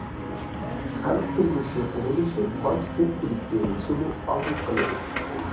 خەلق تۇرمۇشى قۇرۇلۇشى قانچە كۆپ ئېلىپ بېرىلسىمۇ ئازلىق قىلىدۇ.